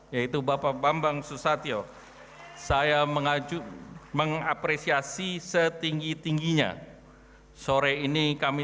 yaitu bapak bambang susatyo saya mengajukan mengapresiasi setinggi tingginya sore ini kami